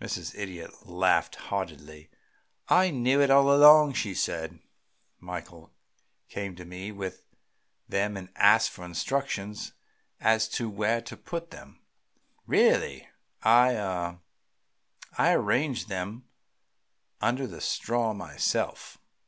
Mrs. Idiot laughed heartily. "I knew it all along," she said. "Michael came to me with them and asked for instructions as to where to put them. Really, I ah I arranged them under the straw myself."